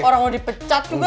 orang lo dipecat juga